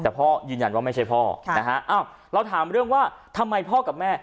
แต่พ่อยืนยันว่าไม่ใช่พ่อนะฮะอ้าวเราถามเรื่องว่าทำไมพ่อกับแม่